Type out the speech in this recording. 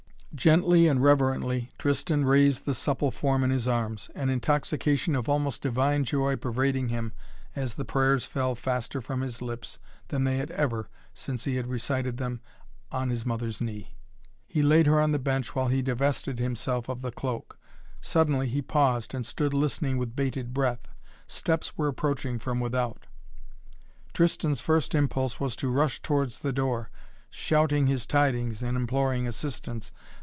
Gently and reverently Tristan raised the supple form in his arms, an intoxication of almost divine joy pervading him as the prayers fell faster from his lips than they had ever since he had recited them on his mother's knee. He laid her on the bench, while he divested himself of the cloak. Suddenly he paused and stood listening with bated breath. Steps were approaching from without. Tristan's first impulse was to rush towards the door, shouting his tidings and imploring assistance.